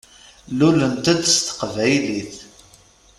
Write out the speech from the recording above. Tlulemt-d s teqbaylit.